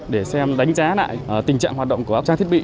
để xem đánh giá lại tình trạng hoạt động của các trang thiết bị